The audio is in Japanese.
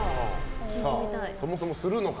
そもそもするのか？